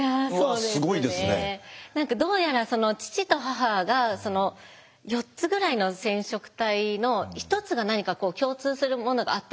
どうやら父と母が４つぐらいの染色体の１つが何かこう共通するものがあったらしいんですね。